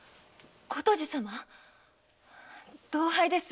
琴路さま⁉同輩です。